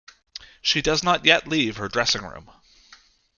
She does not yet leave her dressing-room.